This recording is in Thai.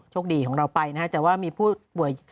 คดีของเราไปนะฮะแต่ว่ามีผู้ป่วย